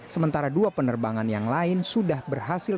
sementara dua penerbangan yang lain sudah berhasil